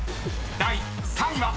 ［第３位は］